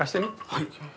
はい！